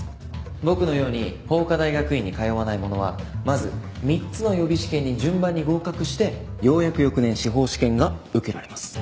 僕のように法科大学院に通わない者はまず３つの予備試験に順番に合格してようやく翌年司法試験が受けられます。